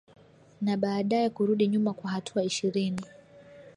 na baadaye kurudi nyuma kwa hatua ishirini